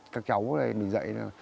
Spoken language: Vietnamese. các cháu ở đây mình dạy là